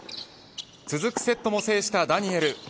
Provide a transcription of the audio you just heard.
続くセットも制したダニエル。